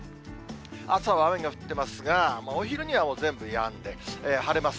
朝は雨が降っていますが、お昼には全部やんで、晴れます。